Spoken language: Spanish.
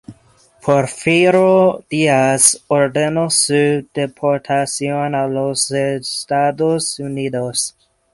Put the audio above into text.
Porfirio Díaz, ordenó su deportación a los Estados Unidos.